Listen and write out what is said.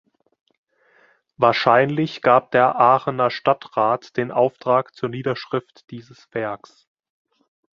Wahrscheinlich gab der Aachener Stadtrat den Auftrag zur Niederschrift dieses Werks.